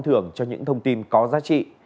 tưởng cho những thông tin có giá trị